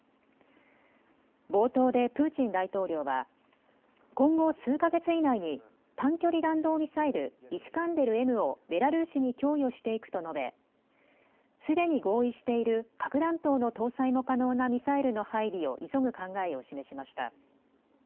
冒頭でプーチン大統領は今後、数か月以内に短距離弾道ミサイルイスカンデルＭをベラルーシに供与していくと述べすでに合意している核弾頭の搭載も可能なミサイルの配備を急ぐ考えを示しました。